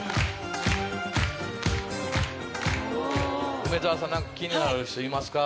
梅澤さん気になる人いますか？